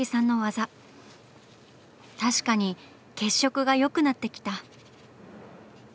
確かに血色がよくなってきた。